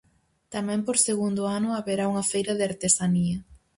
Tamén por segundo ano haberá unha feira de artesanía.